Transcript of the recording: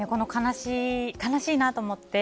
悲しいなと思って。